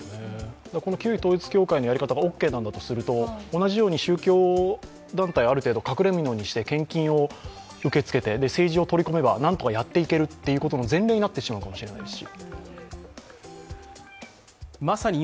旧統一教会のやり方がオーケーなんだとすると、同じように宗教団体を、ある程度隠れみのにして献金を受け付けて、政治を取り込めばなんとかやっていけるということの、前例になってしまうかもしれませんし。